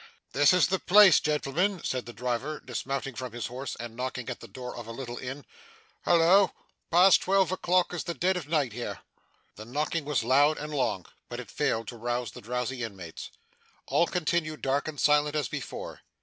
'This is the place, gentlemen,' said the driver, dismounting from his horse, and knocking at the door of a little inn. 'Halloa! Past twelve o'clock is the dead of night here.' The knocking was loud and long, but it failed to rouse the drowsy inmates. All continued dark and silent as before.